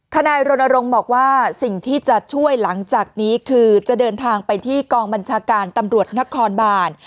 นายรณรงค์บอกว่าสิ่งที่จะช่วยหลังจากนี้คือจะเดินทางไปที่กองบัญชาการตำรวจนครบาน